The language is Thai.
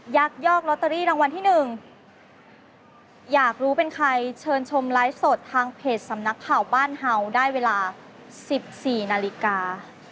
ักยอกลอตเตอรี่รางวัลที่๑อยากรู้เป็นใครเชิญชมไลฟ์สดทางเพจสำนักข่าวบ้านเห่าได้เวลา๑๔นาฬิกา